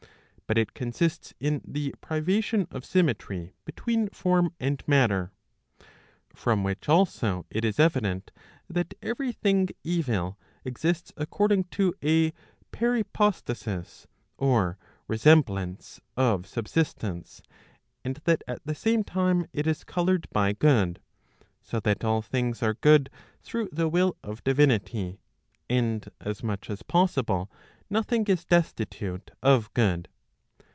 But it consists in the privation of symmetry between form and matter. From which also it is evident, that every thing evil exists according to a parypostasis, or resemblance of subsistence , and that at the same time it is coloured by good; so that all things are good through the will of divinity, and as much as possible nothing is destitute of good.